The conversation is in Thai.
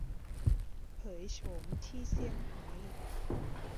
เผยโฉมที่เซี่ยงไฮ้